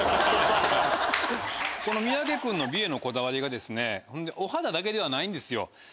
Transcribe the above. この三宅君の美へのこだわりがお肌だけではないんですよ。